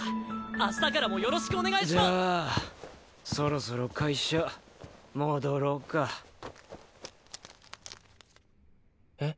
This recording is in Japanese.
明日からもよろしくお願いしまじゃそろそろ会社戻ろうかえっ？